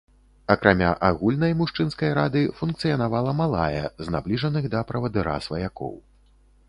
Акрамя агульнай мужчынскай рады функцыянавала малая з набліжаных да правадыра сваякоў.